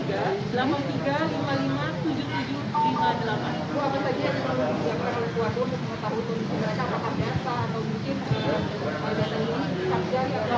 kami sangat terbuka semua ibu pekerja untuk keluarga yang ingin mengetahui kondisi dari keluarga